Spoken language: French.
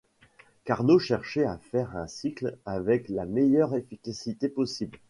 Carnot cherchait à faire un cycle avec la meilleure efficacité possible.